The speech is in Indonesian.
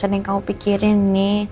ada yang kamu pikirin nih